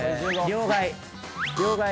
両替。